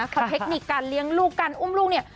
พอเทคนิคการเลี้ยงลูกการอุ้มลูกเนี่ย